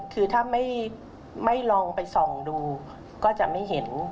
คือถ้าไม่ลองไปส่องดูก็จะไม่เห็น